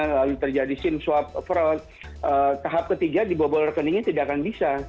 lalu terjadi sim swap fraud tahap ketiga dibobol rekeningnya tidak akan bisa